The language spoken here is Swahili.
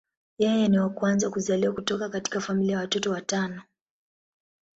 Yeye ni wa kwanza kuzaliwa kutoka katika familia ya watoto watano.